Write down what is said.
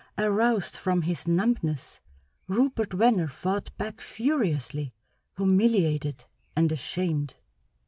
Aroused from his numbness, Rupert Venner fought back furiously, humiliated, and ashamed.